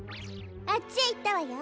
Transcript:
あっちへいったわよ。